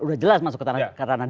udah jelas masuk ke ranah